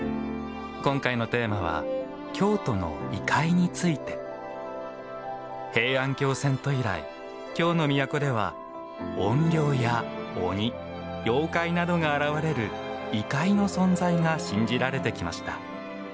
今回のテーマは「京都の異界」について。平安京遷都以来京の都では、怨霊や鬼妖怪などが現れる「異界」の存在が信じられてきました。